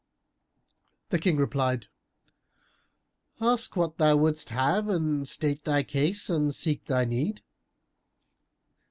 The King replied, "Ask what thou wouldst have, and state thy case and seek thy need."